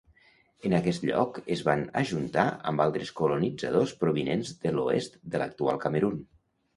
En aquest lloc es van ajuntar amb altres colonitzadors provinents de l'oest de l'actual Camerun.